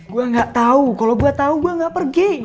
gue gak tau kalau gue tahu gue gak pergi